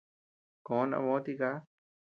Koʼo nabö tika.